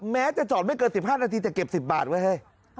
แม้จะจอดไม่เกิน๑๕นาทีแต่เก็บ๑๐บาทไว้เฮ้ย